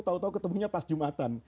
tahu tahu ketemunya pas jumatan